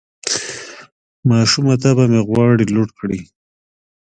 ماشومه طبعه مې غواړي لوټ کړي